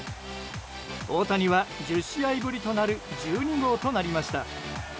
大谷は１０試合ぶりとなる１２号となりました。